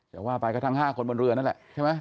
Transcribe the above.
จะว่าไปก็ทั้ง๕คนบนเรือนั่นแหละใช่ไหม